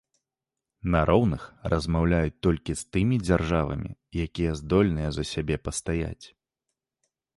На роўных размаўляюць толькі з тымі дзяржавамі, якія здольныя за сябе пастаяць.